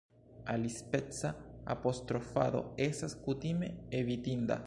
Alispeca apostrofado estas kutime evitinda.